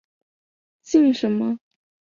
姓什么？